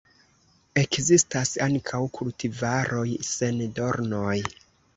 Ekzistas ankaŭ kultivaroj sen dornoj.